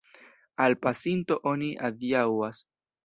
Al pasinto oni adiaŭas.